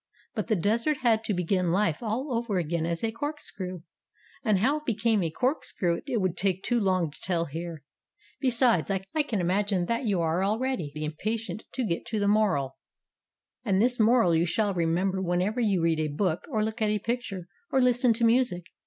But the Desert had to begin life all over again as a corkscrew, and how it became a corkscrew it would take too long to tell here. Besides, I can imagine that you are already impatient to get to the moral. 282 STORIES WITHOUT TEARS And this moral you shall remember whenever you read a book, or look at a picture, or listen to music.